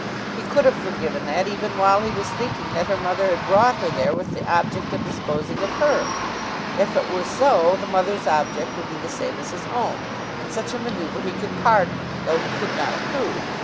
He could have forgiven that, even while he was thinking that her mother had brought her there with the object of disposing of her. If it were so, the mother's object would be the same as his own, and such a manoeuvre he could pardon, though he could not approve.